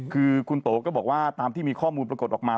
คือคุณโตก็บอกว่าตามที่มีข้อมูลปรากฏออกมา